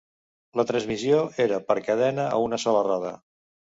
La transmissió era per cadena a una sola roda.